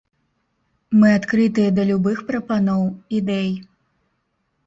Мы адкрытыя да любых прапаноў, ідэй.